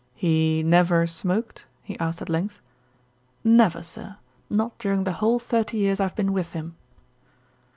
"He never smoked?" he asked at length. "Never, sir, not during the whole thirty years I've been with him."